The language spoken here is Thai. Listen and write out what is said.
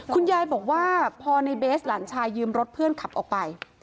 คุณยายบอกว่าพอในเบสหลานชายยืมรถเพื่อนขับออกไป